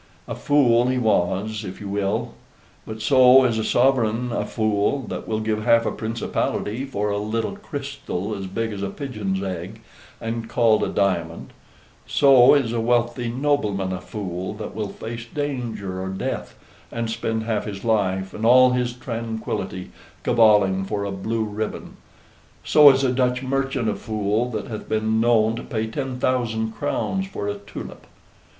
A fool he was, if you will; but so is a sovereign a fool, that will give half a principality for a little crystal as big as a pigeon's egg, and called a diamond: so is a wealthy nobleman a fool, that will face danger or death, and spend half his life, and all his tranquillity, caballing for a blue ribbon; so is a Dutch merchant a fool, that hath been known to pay ten thousand crowns for a tulip.